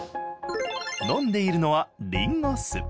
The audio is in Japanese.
飲んでいるのはリンゴ酢。